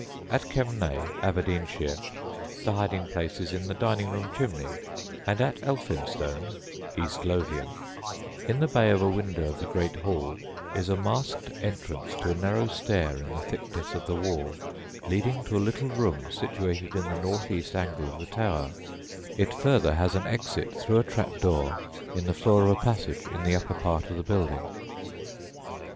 At Kemnay (Aberdeenshire) the hiding place is in the dining room chimney; and at Elphinstone (East Lothian), in the bay of a window of the great hall, is a masked entrance to a narrow stair in the thickness of the wall leading to a little room situated in the northeast angle of the tower; it further has an exit through a trap door in the floor of a passage in the upper part of the building.